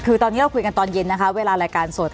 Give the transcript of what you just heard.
คือตอนนี้เราคุยกันตอนเย็นนะคะเวลารายการสด